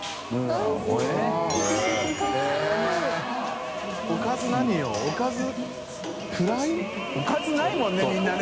侫薀ぁおかずないもんねみんなね。